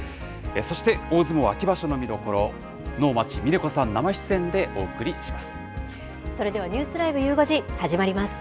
そして大相撲秋場所の見どころ、能町みね子さん、生出演でお送りします。